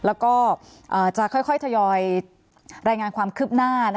แล้วก็จะค่อยทยอยรายงานความคืบหน้า